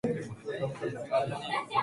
積分